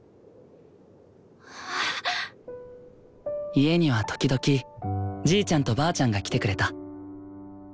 家には時々じいちゃんとばあちゃんが来てくれた。